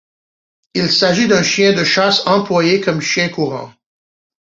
Il s'agit d'un chien de chasse employé comme chien courant.